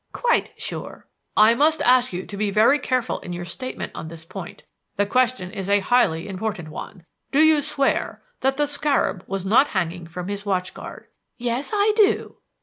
"Quite sure." "I must ask you to be very careful in your statement on this point. The question is a highly important one. Do you swear that the scarab was not hanging from his watch guard?" "Yes, I do."